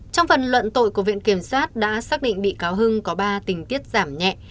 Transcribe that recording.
trong phần luận tội của viện kiểm sát đã xác định bị cáo hưng có ba tình tiết giảm nhẹ